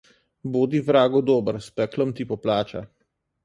Bodi vragu dober, s peklom ti poplača.